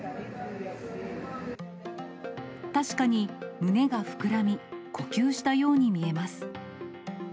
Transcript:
確かに胸が膨らみ、呼吸したように見えます。